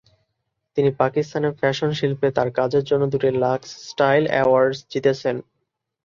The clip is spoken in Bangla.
তিনি পাকিস্তানের ফ্যাশন শিল্পে তার কাজের জন্য দুটি লাক্স স্টাইল অ্যাওয়ার্ডস জিতেছেন।